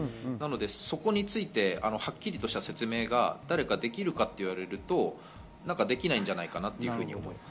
そこについてはっきりとした説明が誰かできるかというとできないんじゃないかなと思います。